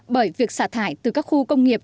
bởi việc xả thải từ các khu công nghiệp